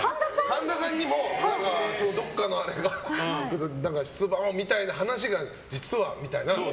神田さんにもどこかのあれから出馬をみたいな実は、みたいな。